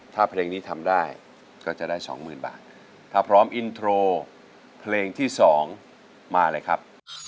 ถ้าเพลงนี้ทำได้ก็จะได้สองหมื่นบาทถ้าพร้อมอินโทรเพลงที่๒มาเลยครับ